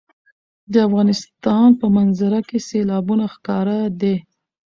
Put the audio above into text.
د افغانستان په منظره کې سیلابونه ښکاره دي.